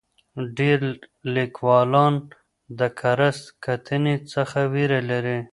ډېر لیکوالان د کره کتنې څخه ویره لري.